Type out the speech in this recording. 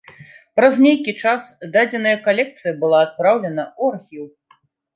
Праз нейкі час дадзеная калекцыя была адпраўлена ў архіў.